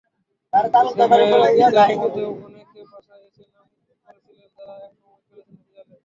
Samuel ইতোর মতোও অনেকে বার্সায় এসে নাম করেছিলেন, যাঁরা একসময় খেলেছেন রিয়ালে।